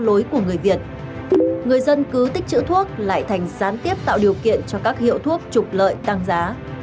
lời của người việt người dân cứ tích chữ thuốc lại thành gián tiếp tạo điều kiện cho các hiệu thuốc trục lợi tăng giá